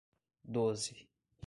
Doze